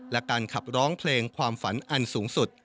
และการขับร้องเพลงความฝันอันสูงสุด